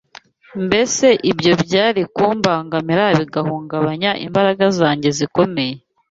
Mbese ibyo byari kumbangamira bigahungabanya imbaraga zanjye zikomeye